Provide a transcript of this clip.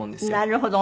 なるほど。